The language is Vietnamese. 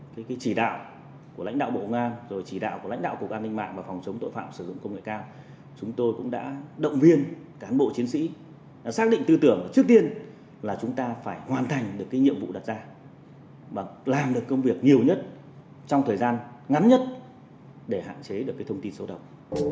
cái chỉ đạo của lãnh đạo bộ ngoan rồi chỉ đạo của lãnh đạo cục an ninh mạng và phòng chống tội phạm sử dụng công nghệ cao chúng tôi cũng đã động viên cán bộ chiến sĩ xác định tư tưởng trước tiên là chúng ta phải hoàn thành được cái nhiệm vụ đặt ra và làm được công việc nhiều nhất trong thời gian ngắn nhất để hạn chế được cái thông tin xấu độc